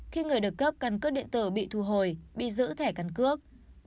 ba khi người được cấp cân cước điện tử bị thu hồi bị giữ thẻ cân cước